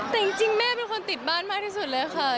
แต่จริงแม่เป็นคนติดบ้านมากที่สุดเลยค่ะ